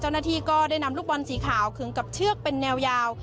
เจ้าหน้าที่ก็ได้นำลูกบอลสีขาวขึงกับเชือกเป็นแนวยาว